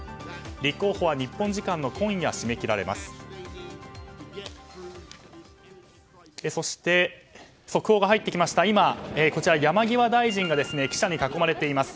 立候補は日本時間の今夜締め切られます。